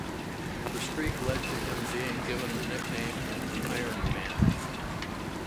The streak led to him being given the nickname "Ironman".